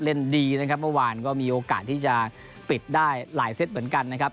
ดีนะครับเมื่อวานก็มีโอกาสที่จะปิดได้หลายเซตเหมือนกันนะครับ